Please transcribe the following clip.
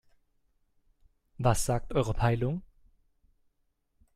Was sagt eure Peilung?